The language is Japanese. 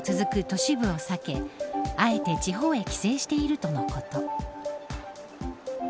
都市部を避けあえて地方へ帰省しているとのこと。